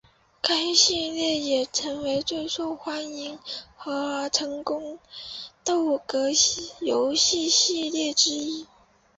该系列也成为了最受欢迎和成功的格斗游戏系列之一。